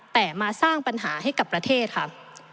แต่มาสร้างปัญหาให้กับประเทศค่ะ